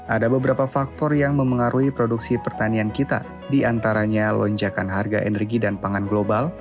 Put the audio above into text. ada beberapa faktor yang memengaruhi produksi pertanian kita diantaranya lonjakan harga energi dan pangan global